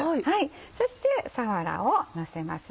そしてさわらをのせます。